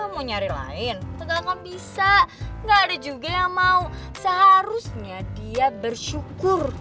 mau nyari lain gak akan bisa gak ada juga yang mau seharusnya dia bersyukur